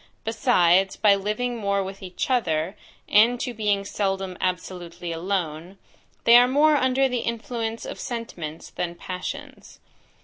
Besides by living more with each other, and to being seldom absolutely alone, they are more under the influence of sentiments than passions.